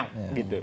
sudah banyak gitu